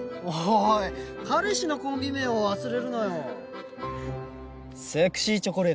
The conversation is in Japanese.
おい彼氏のコンビ名を忘れるなよ。